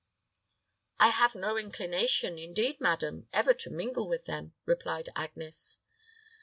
"I have no inclination, indeed, madam, ever to mingle with them," replied Agnes.